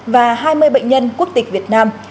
và hai mươi bệnh nhân quốc tịch việt nam